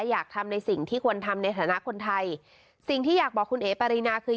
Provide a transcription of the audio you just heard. อยากทำในสิ่งที่ควรทำในฐานะคนไทยสิ่งที่อยากบอกคุณเอ๋ปารีนาคือ